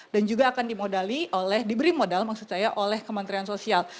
dan juga akan diberi modal oleh kementerian sosial